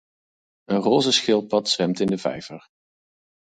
Een roze schildpad zwemt in de vijver.